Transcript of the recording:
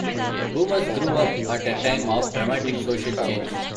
Boomers grew up at a time of dramatic social change.